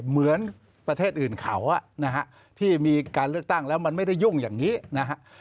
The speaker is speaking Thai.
เหมือนประเทศอื่นเขานะฮะที่มีการเลือกตั้งแล้วมันไม่ได้ยุ่งอย่างนี้นะฮะ